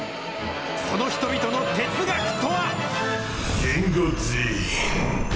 その人々の哲学とは。